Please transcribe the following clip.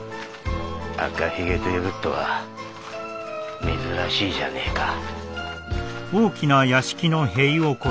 赤ひげと呼ぶとは珍しいじゃねえか。